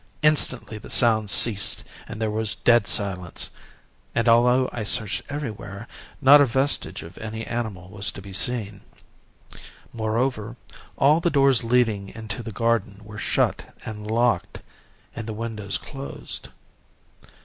Instantly the sounds ceased and there was dead silence, and although I searched everywhere, not a vestige of any animal was to be seen. Moreover all the doors leading into the garden were shut and locked, and the windows closed.